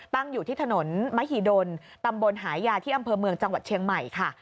ตั้งอยู่ที่ถนนมหิดลตำบลหายาที่อำเภอเมืองจังหวัดเชียงใหม่ค่ะ